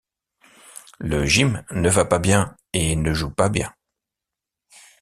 Le Gym ne va pas bien, et ne joue pas bien.